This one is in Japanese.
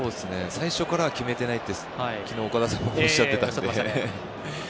最初からは決めてないって昨日、岡田さんもおっしゃってましたね。